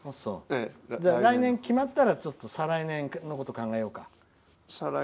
来年決まったら再来年のことを考えようか。